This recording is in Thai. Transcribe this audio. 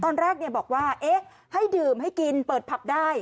ตอนแรกเนี่ยบอกว่าเอ๊ะให้ดื่มให้กินเปิดผับได้